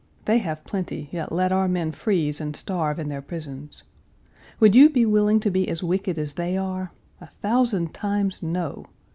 They have plenty, yet let our men freeze and starve in their prisons. Would you be willing to be as wicked as they are? A thousand times, no!